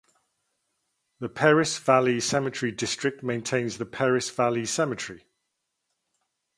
The Perris Valley Cemetery District maintains the Perris Valley Cemetery.